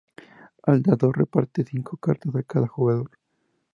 El dador reparte cinco cartas a cada jugador.